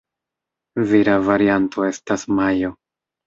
Vira varianto estas "Majo".